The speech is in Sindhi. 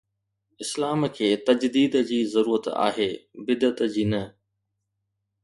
اسلام کي تجديد جي ضرورت آهي، بدعت جي نه.